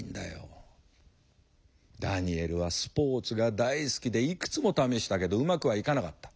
ダニエルはスポーツが大好きでいくつも試したけどうまくはいかなかった。